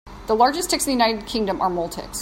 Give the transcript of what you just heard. The largest ticks in the United Kingdom are mole ticks.